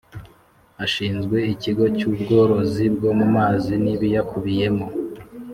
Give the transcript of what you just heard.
Ashinzwe ikigo cy’ubworozi bwo mu mazi n’ibiyakubiyemo